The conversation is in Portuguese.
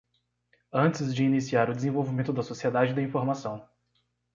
Antes de iniciar o desenvolvimento da Sociedade da Informação.